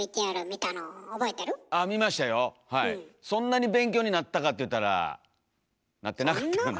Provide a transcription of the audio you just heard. そんなに勉強になったかっていうたらなってなかったような。